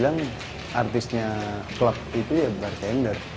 saya ingin mengatakan artisnya club itu bartender